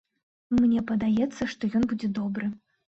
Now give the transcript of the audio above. Мне падаецца, што ён будзе добры.